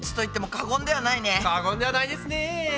過言ではないですね。